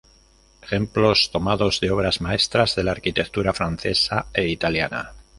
Ejemplos tomados de obras maestras de la arquitectura francesa e italiana.